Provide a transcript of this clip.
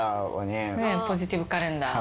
ポジティブカレンダー。